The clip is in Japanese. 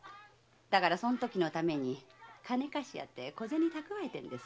だからそのときのために金貸しをやって小銭を蓄えてるんです。